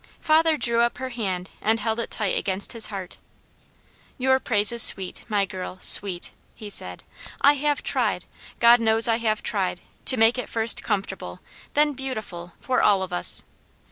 Father drew up her hand and held it tight against his heart. "Your praise is sweet, my girl, sweet!" he said. "I have tried, God knows I have tried, to make it first comfortable, then beautiful, for all of us.